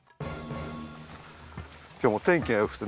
今日は天気が良くてね。